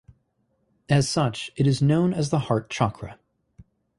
As such, it is known as the heart chakra.